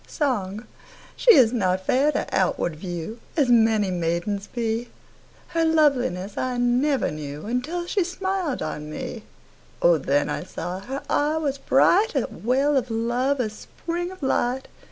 Song SHE is not fair to outward view As many maidens be, Her loveliness I never knew Until she smiled on me; O, then I saw her eye was bright, 5 A well of love, a spring of light!